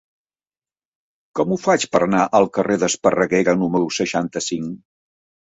Com ho faig per anar al carrer d'Esparreguera número seixanta-cinc?